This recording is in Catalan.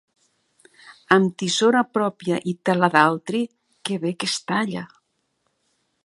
Amb tisora pròpia i tela d'altri, que bé que es talla!